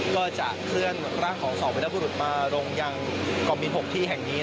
ก็จะเคลื่อนร่างของสองพุทธรุดมาลงยังกล่อบปืน๖ที่แห่งนี้นะครับ